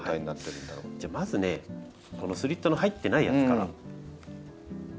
じゃあまずねこのスリットの入ってないやつから。